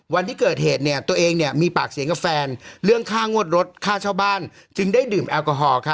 วันที่เกิดเหตุตัวเองมีปากเสียงกับแฟนเรื่องค่างวดรถค่าเช่าบ้านจึงได้ดื่มแอลกอฮอล์